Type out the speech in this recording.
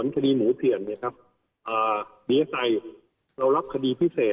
คืออย่างนี้นะครับการตอบส่วนคดีหมูเผียน